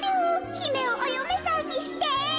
ひめをおよめさんにして。